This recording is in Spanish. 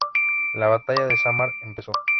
La Batalla de Samar empezó.